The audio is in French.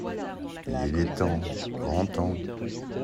Il est temps,. grand temps !…